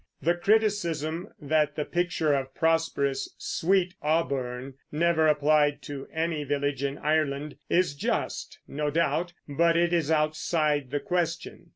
The criticism that the picture of prosperous "Sweet Auburn" never applied to any village in Ireland is just, no doubt, but it is outside the question.